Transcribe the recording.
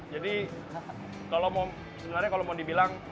jadi sebenarnya kalau mau dibilang